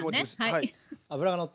はい。